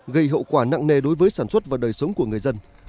gây hậu quả nặng nề đối với sản xuất và đời sống của người dân